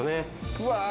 うわ！